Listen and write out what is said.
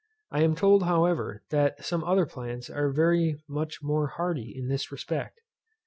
I am told, however, that some other plants are much more hardy in this respect.